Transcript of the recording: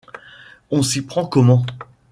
On s'y prend comment.